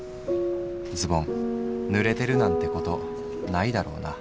ズボン濡れてるなんて事ないだろな。